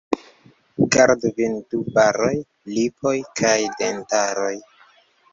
Gardu vin du baroj: lipoj kaj dentaroj.